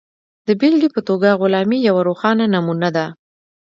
د بېلګې په توګه غلامي یوه روښانه نمونه ده.